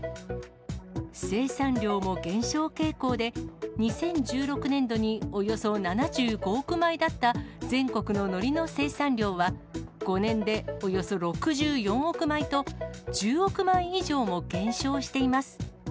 生産量も減少傾向で、２０１６年度におよそ７５億枚だった全国ののりの生産量は、５年でおよそ６４億枚と、１０億枚以上も減少しています。